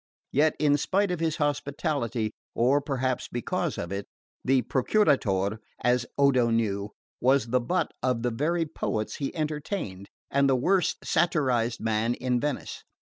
Yet in spite of his hospitality (or perhaps because of it) the Procuratore, as Odo knew, was the butt of the very poets he entertained, and the worst satirised man in Venice.